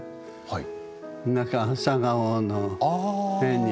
はい。